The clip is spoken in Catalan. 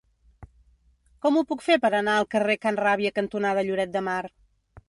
Com ho puc fer per anar al carrer Can Ràbia cantonada Lloret de Mar?